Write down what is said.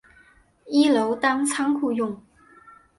一楼当仓库用